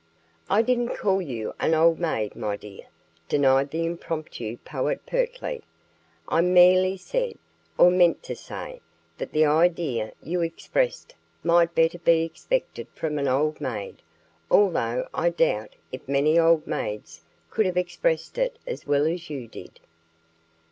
"I didn't call you an old maid, my dear," denied the impromptu poet pertly. "I merely said, or meant to say, that the idea you expressed might better be expected from an old maid, although I doubt if many old maids could have expressed it as well as you did."